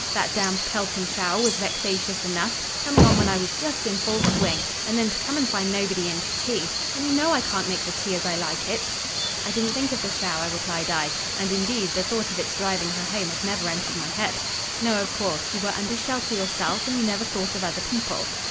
That damned pelting shower was vexatious enough—coming on when I was just in full swing: and then to come and find nobody in to tea! and you know I can't make the tea as I like it." "I didn't think of the shower," replied I (and, indeed, the thought of its driving her home had never entered my head). "No, of course; you were under shelter yourself, and you never thought of other people."